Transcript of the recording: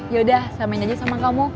ya udah samain aja sama kamu